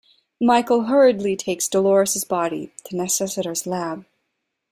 Michael hurriedly takes Dolores's body to Necessiter's lab.